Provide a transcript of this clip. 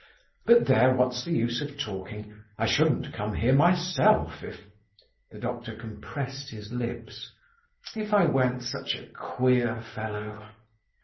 But there, what's the use of talking? I shouldn't come here myself, if … (the doctor compressed his lips) … if I weren't such a queer fellow.